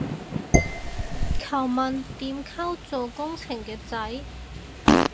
求問點溝做工程嘅仔